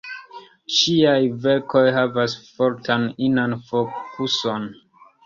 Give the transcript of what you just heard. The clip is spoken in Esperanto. Ŝiaj verkoj havas fortan inan fokuson.